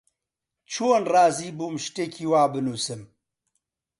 چۆن ڕازی بووم شتێکی وا بنووسم؟